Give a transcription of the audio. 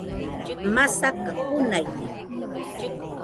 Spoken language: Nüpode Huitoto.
masaka junaide